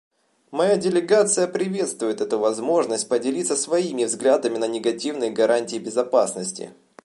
Моя делегация приветствует эту возможность поделиться своими взглядами на негативные гарантии безопасности.